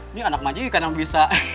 ini anak maju ikan yang bisa